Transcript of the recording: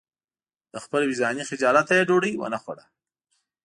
له خپل وجداني خجالته یې ډوډۍ ونه خوړه.